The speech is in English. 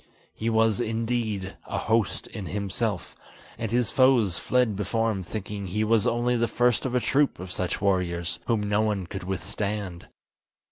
He was indeed "a host in himself," and his foes fled before him thinking he was only the first of a troop of such warriors, whom no one could withstand.